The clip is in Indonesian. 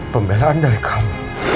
pembelaan dari kamu